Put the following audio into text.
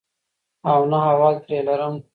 او نه احوال ترې لرم.